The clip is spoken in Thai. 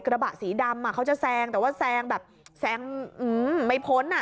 กระบะสีดำเขาจะแซงแต่ว่าแซงแบบแซงไม่พ้นอ่ะ